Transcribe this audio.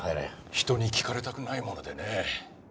人に聞かれたくないものでね。